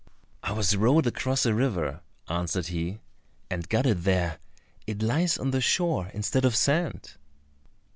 "I was rowed across a river," answered he, "and got it there; it lies on the shore instead of sand."